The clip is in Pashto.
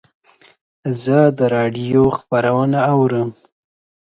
زه د رادیو خپرونه اورم.